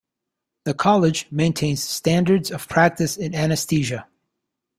The College maintains standards of practice in anaesthesia.